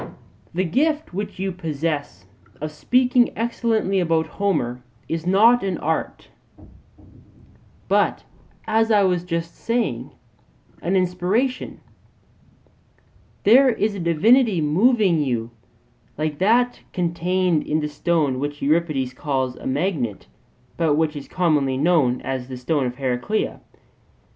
The gift which you possess of speaking excellently about Homer is not an art, but, as I was just saying, an inspiration; there is a divinity moving you, like that contained in the stone which Euripides calls a magnet, but which is commonly known as the stone of Heraclea.